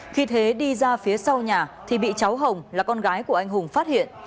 khi thế đi ra phía sau nhà thì bị cháu hồng là con gái của anh hùng phát hiện